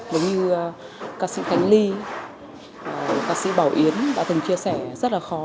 giống như ca sĩ khánh ly ca sĩ bảo yến đã từng chia sẻ rất là khó